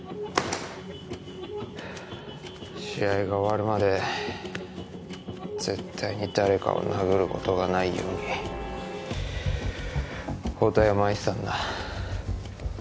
試合が終わるまで絶対に誰かを殴る事がないように包帯を巻いてたんだ。